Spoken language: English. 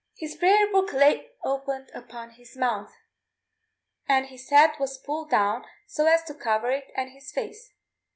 His prayer book lay opened upon his mouth, and his hat was pulled down so as to cover it and his face.